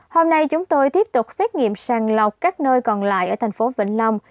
hôm nay chúng tôi tiếp tục xét nghiệm sàng lọc các nơi còn lại ở thành phố vĩnh long